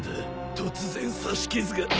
突然刺し傷が。